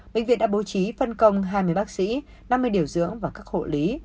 bệnh viện đã bố trí phân công hai mươi bác sĩ năm mươi điều dưỡng và các hộ lý